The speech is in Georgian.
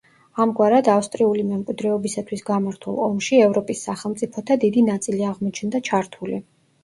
ამგვარად ავსტრიული მემკვიდრეობისათვის გამართულ ომში ევროპის სახელმწიფოთა დიდი ნაწილი აღმოჩნდა ჩართული.